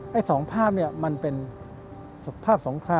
แบบสองภาพมันเป็นสถาพสงคราม